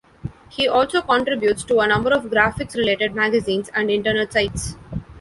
He also contributes to a number of graphics-related magazines and Internet sites.